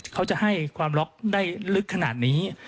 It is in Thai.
เขาจะให้ความล็อกได้ลึกขนาดนี้